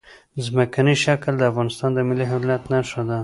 ځمکنی شکل د افغانستان د ملي هویت نښه ده.